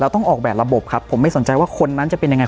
ต้องออกแบบระบบครับผมไม่สนใจว่าคนนั้นจะเป็นยังไง